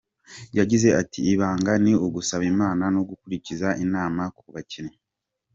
Yagize ati “Ibanga ni ugusaba Imana no gukurikiza inama ku bakinnyi.